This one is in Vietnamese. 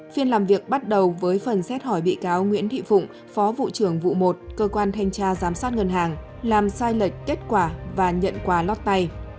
phiên làm việc bắt đầu với phần xét hỏi bị cáo nguyễn thị phụng phó vụ trưởng vụ một cơ quan thanh tra giám sát ngân hàng làm sai lệch kết quả và nhận quà lót tay